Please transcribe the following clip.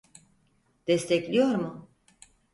Destekliyor mu